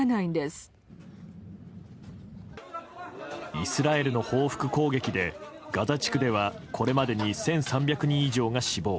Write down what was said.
イスラエルの報復攻撃でガザ地区ではこれまでに１３００人以上が死亡。